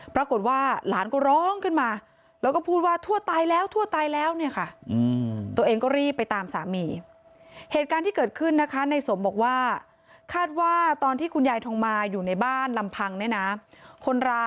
ปรากฏว่าหลานก็ร้องขึ้นมาแล้วก็พูดว่าทั่วตายแล้วทั่วตายแล้วเนี่ยค่ะ